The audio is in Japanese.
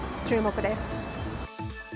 注目です。